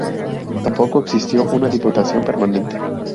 Tampoco existió una diputación permanente.